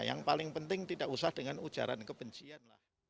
yang paling penting tidak usah dengan ujaran kebencian lah